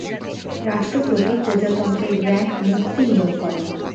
রাষ্ট্রপতি প্রজাতন্ত্রের গ্র্যান্ড মুফতি নিয়োগ করেন।